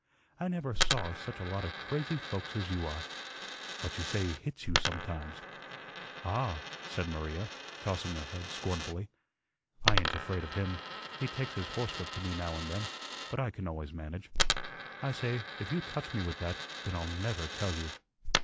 I never saw such a lot of crazy folks as you are." "But you say he hits you sometimes." "Ah!" said Maria, tossing her head scornfully, "I ain't afraid of him. He takes his horsewhip to me now and then, but I can always manage. I say, 'If you touch me with that, then I'll NEVER tell you.'